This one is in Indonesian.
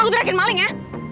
aku teriakin maling ya